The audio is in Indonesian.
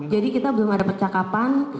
jadi kita belum ada percakapan